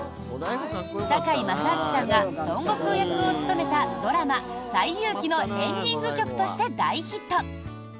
堺正章さんが孫悟空役を務めたドラマ「西遊記」のエンディング曲として大ヒット！